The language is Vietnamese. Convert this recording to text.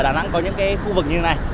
đà nẵng có những cái khu vực như thế này